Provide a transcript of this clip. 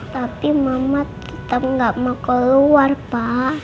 tapi mama tetap gak mau keluar pak